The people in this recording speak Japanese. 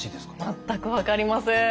全く分かりません。